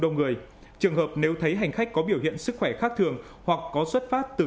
đông người trường hợp nếu thấy hành khách có biểu hiện sức khỏe khác thường hoặc có xuất phát từ